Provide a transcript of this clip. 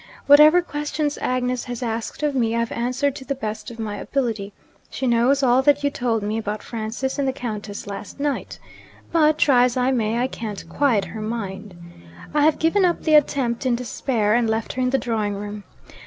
Whatever questions Agnes has asked of me I have answered to the best of my ability; she knows all that you told me about Francis and the Countess last night. But try as I may I can't quiet her mind. I have given up the attempt in despair, and left her in the drawing room.